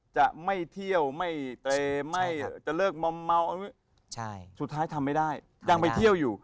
จะไม่เที่ยวไม่เตรไม่จะเลิกมอมเมาสุดท้ายทำไม่ได้ยังไปเที่ยวอยู่